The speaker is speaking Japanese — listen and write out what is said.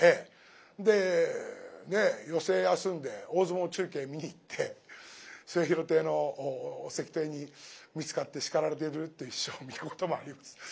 でねえ寄席休んで大相撲中継見に行って末廣亭のお席亭に見つかって叱られてるっていう師匠を見たこともあります。